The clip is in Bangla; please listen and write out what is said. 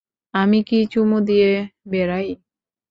আমি কি চুমু দিয়ে বেরাই?